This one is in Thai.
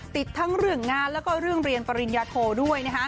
ติดทั้งเรื่องงานแล้วก็เรื่องเรียนปริญญาโทด้วย